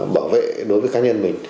bảo vệ đối với cá nhân mình